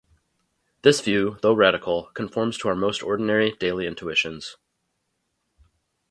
This view, though radical, conforms to our most ordinary, daily intuitions.